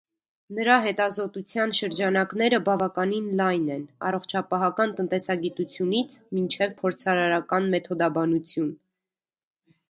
Նրա հետազոտության շրջանակները բավականին լայն են՝ առողջապահական տնտեսագիտությունից մինչև փորձարարական մեթոդաբանություն։